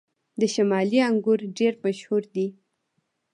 د شمالي انګور ډیر مشهور دي